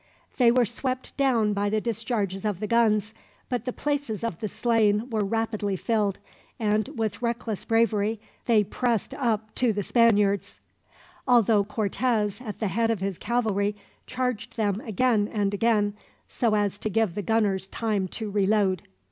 They were swept down by the discharges of the guns, but the places of the slain were rapidly filled, and with reckless bravery they pressed up to the Spaniards; although Cortez, at the head of his cavalry, charged them again and again, so as to give the gunners time to reload.